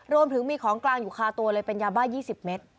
รวมถึงมีของกลางอยู่คาตัวเลยเป็นยาบ้า๒๐เมตร